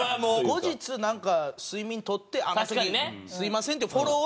後日なんか睡眠取って「あの時すみません」ってフォローはできるやんか。